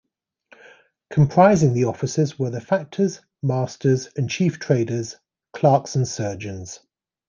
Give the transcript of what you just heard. Comprising the officers were the factors, masters and chief traders, clerks and surgeons.